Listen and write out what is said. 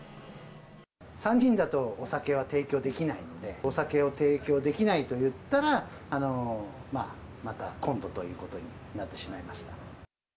３人だとお酒は提供できないので、お酒を提供できないと言ったら、また今度ということになってしまいました。